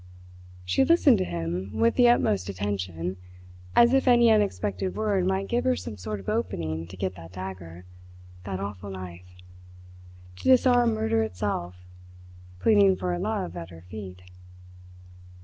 She listened to him with the utmost attention, as if any unexpected word might give her some sort of opening to get that dagger, that awful knife to disarm murder itself, pleading for her love at her feet.